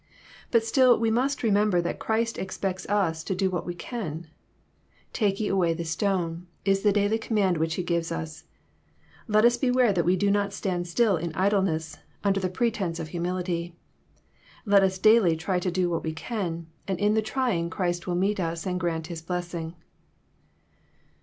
But still we mast remember that Christ expects us to do what we can. ^'Take ye away the stone" is the daily command which He gives us. Let us beware that we do not stand still in idleness, under the pretence of humility. Let us daily try to do what we can, and in the trying Christ will meet us and grant His blessing.